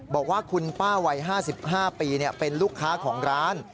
บอกว่าคุณป้าวัย๕๕ปีเป็นลูกค้าของร้าน